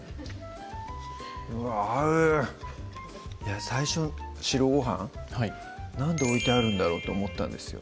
うわぁ合う最初白ごはんはいなんで置いてあるんだろうと思ったんですよ